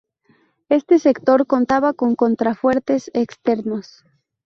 Este sector contaba con contrafuertes externos.